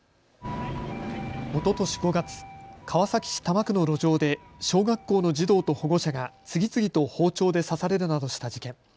おととし５月、川崎市多摩区の路上で小学校の児童と保護者が次々と包丁で刺されるなどした事件。